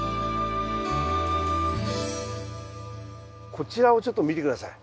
こちらをちょっと見て下さい。